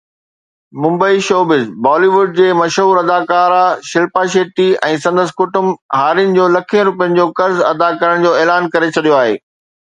Mumbai (showbiz news) Bollywood جي مشهور اداڪارا شلپا شيٽي ۽ سندس ڪٽنب هارين جو لکين روپين جو قرض ادا ڪرڻ جو اعلان ڪري ڇڏيو آهي.